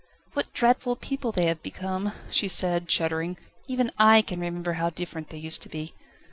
"What dreadful people they have become," she said, shuddering; "even I can remember how different they used to be."